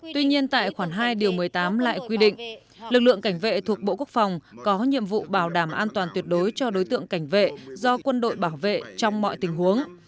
tuy nhiên tại khoản hai điều một mươi tám lại quy định lực lượng cảnh vệ thuộc bộ quốc phòng có nhiệm vụ bảo đảm an toàn tuyệt đối cho đối tượng cảnh vệ do quân đội bảo vệ trong mọi tình huống